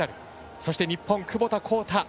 そして、日本の窪田幸太